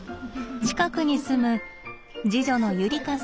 近くに住む次女のゆりかさん。